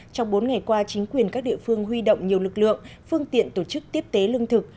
trong bốn ngày qua chính quyền các địa phương huy động nhiều lực lượng phương tiện tổ chức tiếp tế lương thực